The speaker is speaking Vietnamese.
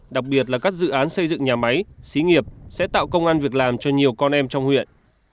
đặc biệt là các dự án xây dựng nhà máy xí nghiệp sẽ tạo công an việc làm cho nhiều con em trong huyện